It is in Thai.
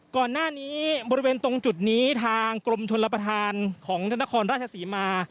ก่อนหน้านี้บริเวณตรงจุดนี้ทางกรมชนรับประทานของนครราชศรีมา